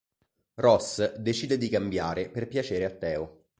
Ross decide di cambiare per piacere a Teo.